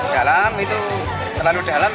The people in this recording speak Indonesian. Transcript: dalam itu terlalu dalam